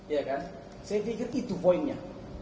ya kan saya pikir itu poinnya